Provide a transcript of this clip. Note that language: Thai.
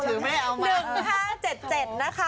เบอร์ถือไม่ได้เอามา